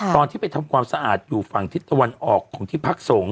ตอนที่ไปทำความสะอาดอยู่ฝั่งทิศตะวันออกของที่พักสงฆ